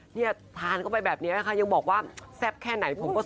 เนี่ยทานเข้าไปแบบนี้นะคะยังบอกว่าแซ่บแค่ไหนผมก็